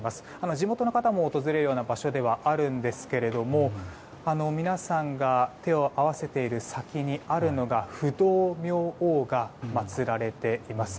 地元の方も訪れる場所ではあるんですが皆さんが手を合わせている先にあるのが不動明王が祭られています。